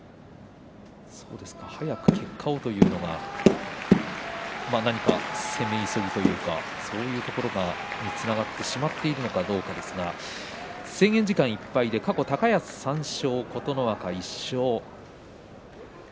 早く結果をというのが何か攻め急ぐというかそういうところにつながってしまっているのかどうかですけれど制限時間いっぱい過去、高安の３勝琴ノ若の１勝です。